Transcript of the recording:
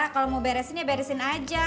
kalau mau beresin ya beresin aja